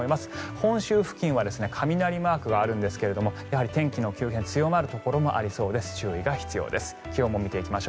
本州付近は雷マークがあるんですがやはり天気の急変強まるところもあります。